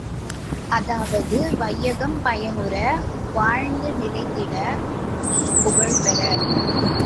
அதாவது வையகம் பயனுற வாழ்ந்து நிலத்திடை நீள்புகழ்பெற.